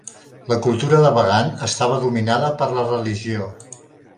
La cultura de Bagan estava dominada per la religió.